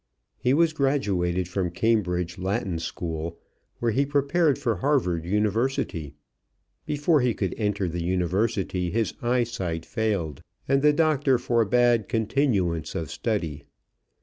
He was graduated from Cambridge Latin School, where he prepared for Harvard University. Before he could enter the university his eyesight failed, and the doctor forbade continuance of study.